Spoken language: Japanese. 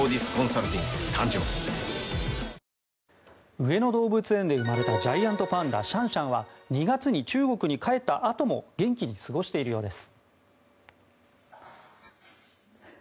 上野動物園で生まれたジャイアントパンダシャンシャンは２月に中国に帰ったあとも元気に過ごしているようです。